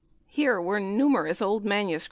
Here were numerous old MSS.